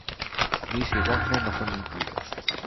Liszt y Wagner no fueron incluidos.